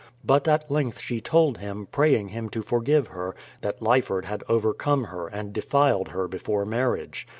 But at length she told him, — praying him to forgive her, — that Lyford had overcome her and defiled her before marriage.